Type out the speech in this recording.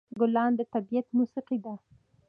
ګلان د طبیعت موسيقي ده.